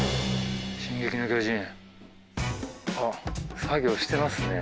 あっ作業してますね。